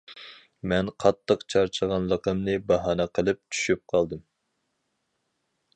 مەن قاتتىق چارچىغانلىقىمنى باھانە قىلىپ چۈشۈپ قالدىم.